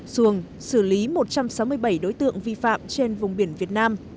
xuồng xử lý một trăm sáu mươi bảy đối tượng vi phạm trên vùng biển việt nam